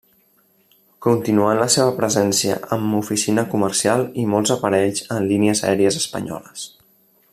Continuant la seva presència amb oficina comercial i molts aparells en línies aèries espanyoles.